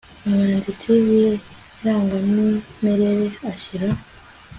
umwanditsi w irangamimerere ashyira